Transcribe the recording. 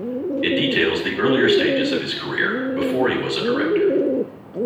It details the earlier stages of his career, before he was a director.